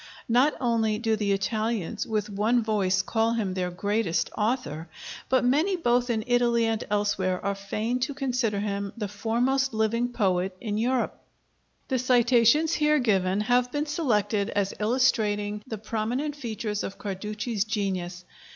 Not only do the Italians with one voice call him their greatest author, but many both in Italy and elsewhere are fain to consider him the foremost living poet in Europe. The citations here given have been selected as illustrating the prominent features of Carducci's genius.